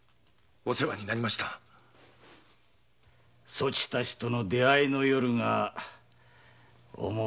そちたちとの出会いの夜が思われてならぬ。